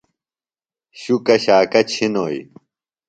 شُکہ شاکہ چِھنوئی۔